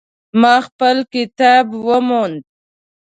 ما خپل کتاب وموند